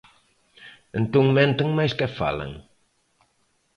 Entón menten máis que falan.